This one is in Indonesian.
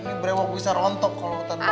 ini brewok bisa rontok kalau tanpa kamu